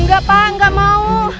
enggak pak enggak mau